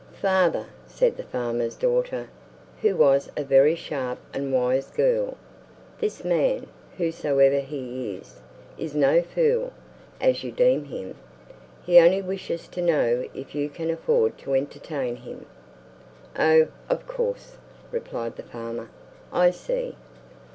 "Father," said the farmer's daughter, who was a very sharp and wise girl, "this man, whosoever he is, is no fool, as you deem him. He only wishes to know if you can afford to entertain him." "Oh! of course," replied the farmer. "I see.